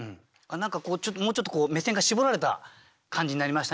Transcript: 何かもうちょっと目線がしぼられた感じになりましたね。